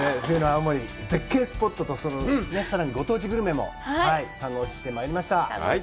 冬の青森、絶景スポットと、さらにご当地グルメも堪能してまいりました。